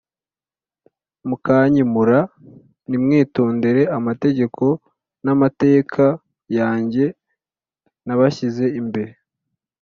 mukanyimūra ntimwitondere amategeko n’amateka yanjye nabashyize imbere